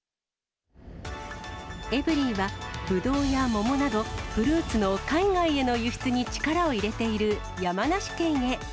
エブリィは、ブドウや桃など、フルーツの海外への輸出に力を入れている山梨県へ。